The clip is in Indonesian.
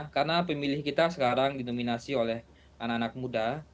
karena pemilih kita sekarang didominasi oleh anak anak muda